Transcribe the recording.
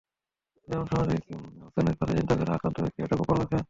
যেমন সামাজিক অবস্থানের কথা চিন্তা করে আক্রান্ত ব্যক্তি এটা গোপন রাখে।